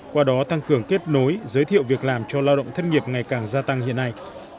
qua đó tăng cường kết nối giới thiệu việc làm cho lao động thất nghiệp ngày càng gia tăng hiện nay